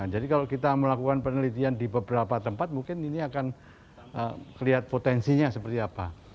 jadi kalau kita melakukan penelitian di beberapa tempat mungkin ini akan kelihatan potensinya seperti apa